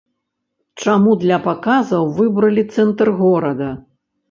Чаму для паказаў выбралі цэнтр горада?